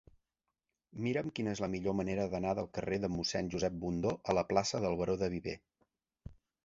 Mira'm quina és la millor manera d'anar del carrer de Mossèn Josep Bundó a la plaça del Baró de Viver.